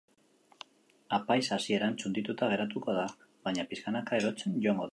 Apaiza hasieran txundituta geratuko da, baina pixkanaka erotzen joango da.